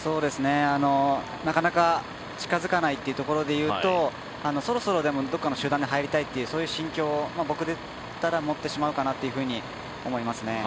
なかなか、近づかないというところでいうと、そろそろ、どこかの集団に入りたいっていうそういう心境、僕だったら持ってしまうかなと思いますね。